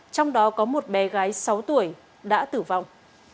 trong đó có một bé gái sáu tuổi đã tử vong